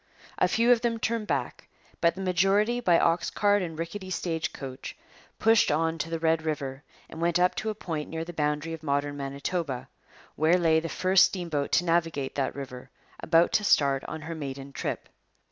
A few of them turned back, but the majority, by ox cart and rickety stagecoach, pushed on to the Red River and went up to a point near the boundary of modern Manitoba, where lay the first steamboat to navigate that river, about to start on her maiden trip.